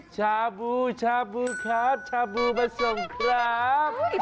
ชาบูชาบูครับชาบูมาส่งครับ